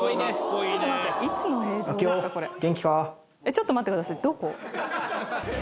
ちょっと待ってくださいどこ？